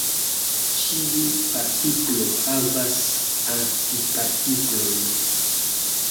Ĉiu partiklo havas antipartiklon.